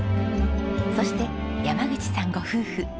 そして山口さんご夫婦。